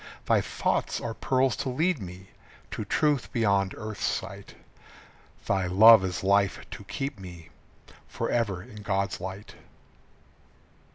Thy thoughts are pearls to lead me To truth beyond earth's sight. Thy love is life to keep me Forever in God's light.